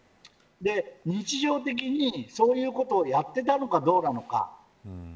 日常的にそういうことをやっていたのか、どうなのか。